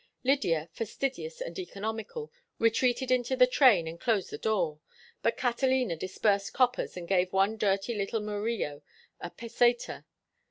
Lydia, fastidious and economical, retreated into the train and closed the door; but Catalina disbursed coppers and gave one dirty little Murillo a peseta.